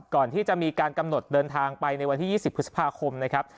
ก่อนที่จะมีการกำหนดเดินทางไปในวันที่๒๐พฤษภาคมนะครับ